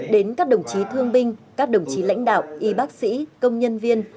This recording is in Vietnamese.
đến các đồng chí thương binh các đồng chí lãnh đạo y bác sĩ công nhân viên